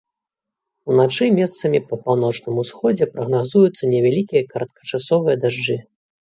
Уначы месцамі па паўночным усходзе прагназуюцца невялікія кароткачасовыя дажджы.